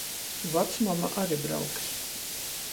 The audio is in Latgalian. Vacmama ari brauks...